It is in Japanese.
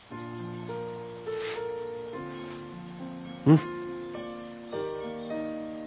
うん。